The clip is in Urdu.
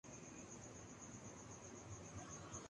آنکھ کے بدلے آنکھ کے اصول پر اعتبار کرتا ہوں